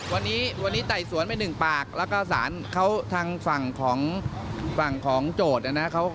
วันนี้ไต่สวนไป๑ปากแล้วก็ศาลเขาทางฝั่งของโจทย์นะนะ